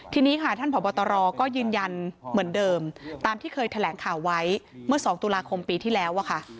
ทีนี้ค่ะท่านผอบตรก็ยืนยันเหมือนเดิมตามที่เคยแถลงข่าวไว้เมื่อ๒ตุลาคมปีที่แล้วอะค่ะ